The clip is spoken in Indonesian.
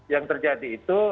yang terjadi itu